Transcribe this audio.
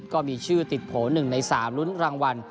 ก็มีชื่อติดโผล่๑ใน๓ลุ้นรางวัล